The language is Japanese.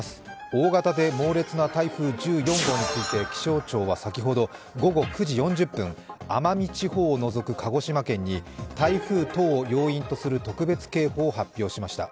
大型で猛烈な台風１４号について、気象庁は先ほど午後９時４０分、奄美地方を除く鹿児島県に、台風等を要因とする特別警報を発表しました。